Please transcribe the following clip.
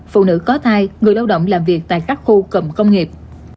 phụ nữ có thai người lao động làm việc tại các khu cầm công nghiệp